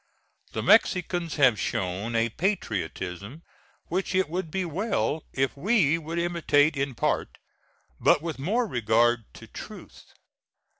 The Mexicans have shown a patriotism which it would be well if we would imitate in part, but with more regard to truth.